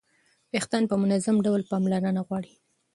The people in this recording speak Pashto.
ویښتان په منظم ډول پاملرنه غواړي.